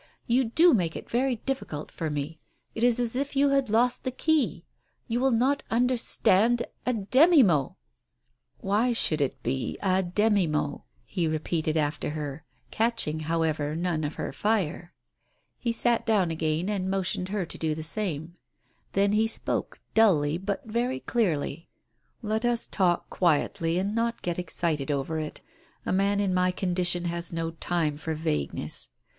You do make it very difficult for me. It is as if you had lost the key — you will not understand A demi~mot!" "Why should it be & demumot? " he repeated after her, catching, however, none of her fire. He sat down Digitized by Google 22 TALES OF THE UNEASY again and motioned her to do the same. Then he spoke, dully, but very clearly, "Let us talk quietly, and not get excited over it. A man in my condition has no time for vagueness.